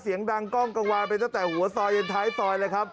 เสียงดังก้องกังวามีเจ้าแต่หัวซ้อยเย็นท้ายซ้อยเลยครับ